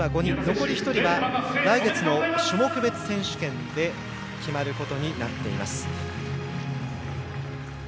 残り１人は来月の種目別選手権で決まることになっています。